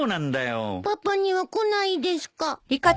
パパには来ないですか。